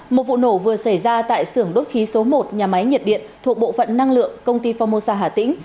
một vụ nổ vừa xảy ra tại sưởng đốt khí số một nhà máy nhiệt điện thuộc bộ phận năng lượng công ty formosa hà tĩnh